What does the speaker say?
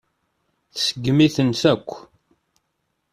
Tseggem-itent akk.